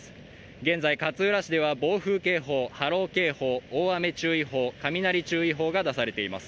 現在、勝浦市では暴風警報、波浪警報、波浪警報、大雨警報、雷警報が出されています。